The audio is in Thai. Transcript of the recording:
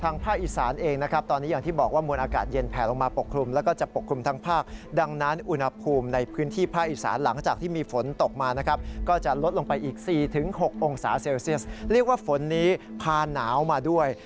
๔๖องศาเซลเซียสเรียกว่าฝนนี้พาหนาวมาด้วย